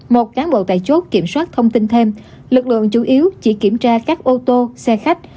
một cán bộ tại chốt kiểm soát thông tin thêm lực lượng chủ yếu chỉ kiểm tra các ô tô xe khách